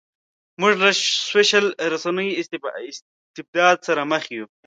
موږ له سوشل رسنیز استبداد سره مخ یو.